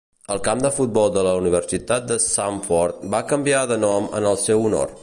El camp de futbol de la Universitat de Samford va canviar de nom en el seu honor.